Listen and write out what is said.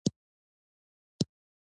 صنعتي کېدو ته لار پرانېسته.